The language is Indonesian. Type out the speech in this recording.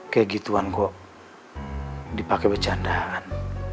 kayak gituan kok dipakai bercandaan